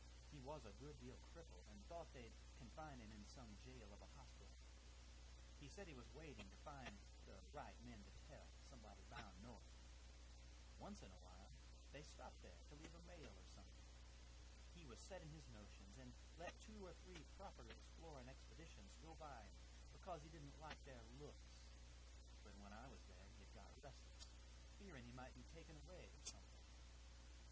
He was a good deal crippled, and thought they'd confine him in some jail of a hospital. He said he was waiting to find the right men to tell, somebody bound north. Once in a while they stopped there to leave a mail or something. He was set in his notions, and let two or three proper explorin' expeditions go by him because he didn't like their looks; but when I was there he had got restless, fearin' he might be taken away or something.